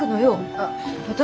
あっ私